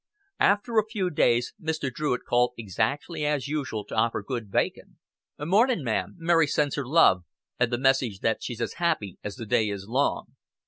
After a few days Mr. Druitt called exactly as usual to offer good bacon. "Mornin', ma'am. Mary sends her love, and the message that she's as happy as the day is long."